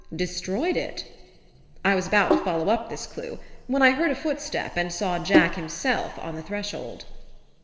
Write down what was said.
"Destroyed it?" I was about to follow up this clue when I heard a footstep and saw Jack himself on the threshold.